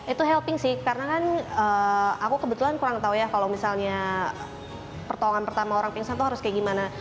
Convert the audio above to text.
itu helping sih karena kan aku kebetulan kurang tahu ya kalau misalnya pertolongan pertama orang pingsan itu harus kayak gimana